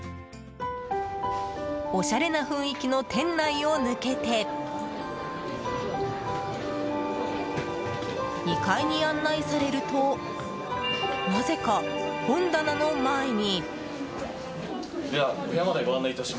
おしゃれな雰囲気の店内を抜けて２階に案内されるとなぜか本棚の前に。